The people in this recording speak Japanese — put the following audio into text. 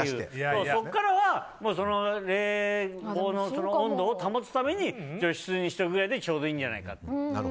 そこからは冷房の温度を保つために除湿にしとくのがちょうどいいんじゃないかと。